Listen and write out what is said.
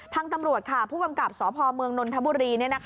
ทางตำรวจค่ะผู้กำกับสพเมืองนนทบุรี